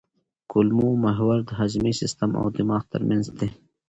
کولمو محور د هاضمي سیستم او دماغ ترمنځ دی.